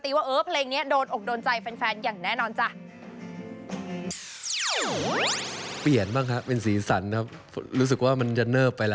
แต่มันก็ขึ้นและลงได้เหมือนกัน